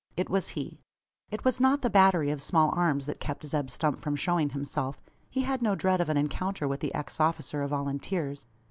It was he. It was not the batterie of small arms that kept Zeb Stump from showing himself. He had no dread of an encounter with the ex officer of Volunteers.